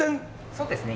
そうですね。